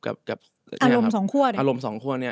อารมณ์สองขั้วเนี่ย